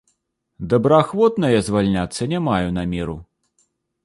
Добраахвотна я звальняцца не маю намеру.